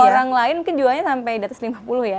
kalau orang lain mungkin jualnya sampai satu ratus lima puluh ya